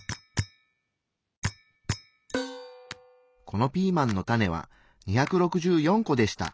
このピーマンのタネは２６４個でした。